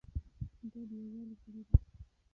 دا د یووالي ژبه ده.